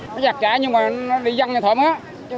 nó giặt trả nhưng mà nó đi văn cho thoải mái